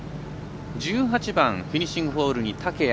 １８番フィニッシングホールに竹谷。